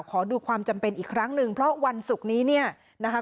ขอดูความจำเป็นอีกครั้งหนึ่งเพราะวันศุกร์นี้เนี่ยนะคะ